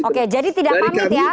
oke jadi tidak pamit ya